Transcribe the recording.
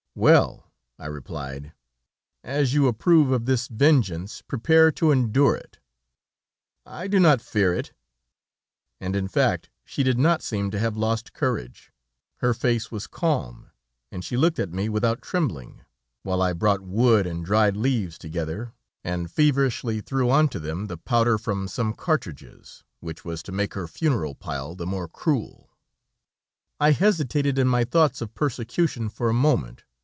"'Well,' I replied, 'as you approve of this vengeance, prepare to endure it.' "'I do not fear it.' "And in fact she did not seem to have lost courage. Her face was calm, and she looked at me without trembling, while I brought wood and dried leaves together, and feverishly threw on to them the powder from some cartridges, which was to make her funeral pile the more cruel. "I hesitated in my thoughts of persecution for a moment.